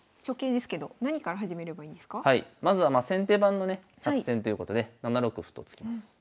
まずは先手番のね作戦ということで７六歩と突きます。